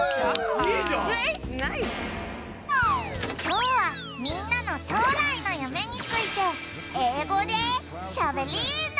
きょうはみんなの将来の夢について英語でしゃべりーな！